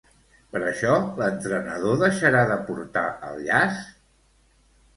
Per això, l'entrenador deixarà de portar el llaç?